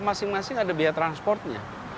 masing masing ada biaya transportnya